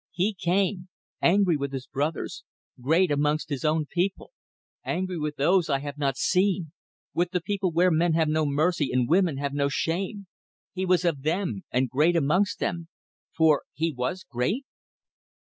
He came; angry with his brothers; great amongst his own people; angry with those I have not seen: with the people where men have no mercy and women have no shame. He was of them, and great amongst them. For he was great?"